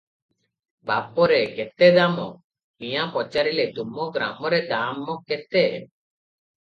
ବାପରେ! କେତେ ଦାମ!" ମିଆଁ ପଚାରିଲେ ତୁମ ଗ୍ରାମରେ ଦାମ କେତେ?